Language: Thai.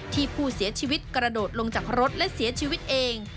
ที่ผู้เสียชีวิตกระโดดลงจากรถและเสียชีวิตเอง